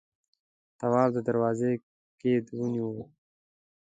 تواب د دروازې قید ونيو.